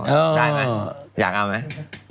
ได้ไหมอยากเอาไหม